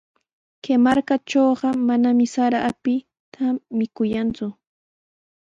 Kay markatrawqa manami sara apita mikuyanku.